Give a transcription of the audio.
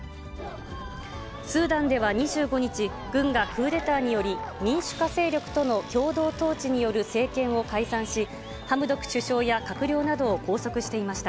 スーダンでは２５日、軍がクーデターにより、民主化勢力との共同統治による政権を解散し、ハムドク首相や閣僚などを拘束していました。